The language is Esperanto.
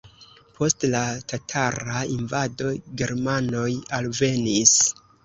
Post la tatara invado germanoj alvenis.